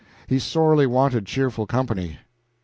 He sorely wanted cheerful company.